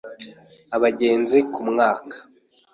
abagenzi ku mwaka